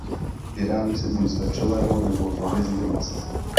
Vyrábí se buď z vepřového nebo z hovězího masa.